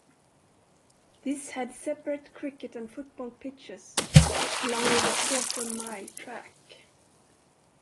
This had separate Cricket and Football pitches along with a quarter mile track.